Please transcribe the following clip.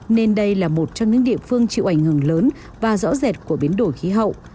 nên đây là một trong những địa phương chịu ảnh hưởng lớn và rõ rệt của biến đổi khí hậu